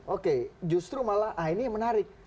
oke justru malah ah ini menarik